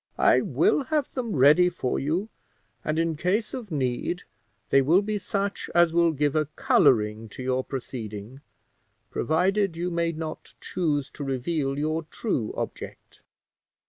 I will have them ready for you; and, in case of need, they will be such as will give a coloring to your proceeding, provided you may not choose to reveal your true object.